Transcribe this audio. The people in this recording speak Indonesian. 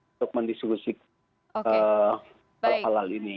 untuk mendiskusi halal ini